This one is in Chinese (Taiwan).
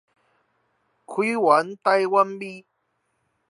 開源台灣味